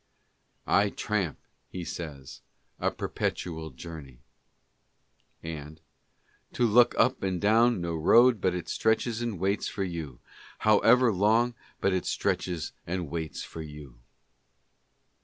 "I tramp," he says, "a perpetual journey" — And— " To look up and down no road but it stretches and waits for you, however long but it stretches and waits for you.